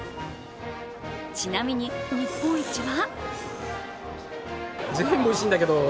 ちなみに日本一は？